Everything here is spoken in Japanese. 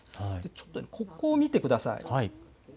ちょっとここを見てください。